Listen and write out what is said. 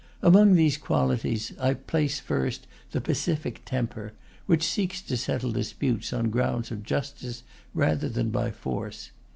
Among these qualities I place first the pacific temper, which seeks to settle disputes on grounds of justice rather than by force.